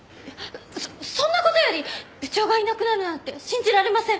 そそんな事より部長がいなくなるなんて信じられません。